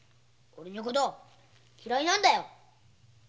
おれのこと嫌いなんだよ。